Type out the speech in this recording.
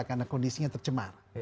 karena kondisinya tercemar